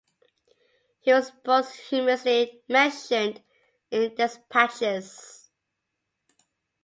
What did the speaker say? He was posthumously mentioned in despatches.